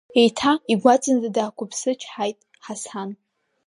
Еиҭа игәаҵанӡа даақәԥсычҳаит Ҳасан.